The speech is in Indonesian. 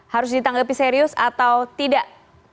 harus ditanggapi serius atau tidak